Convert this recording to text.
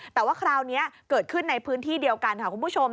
แต่ว่าคราวนี้เกิดขึ้นในพื้นที่เดียวกันค่ะคุณผู้ชม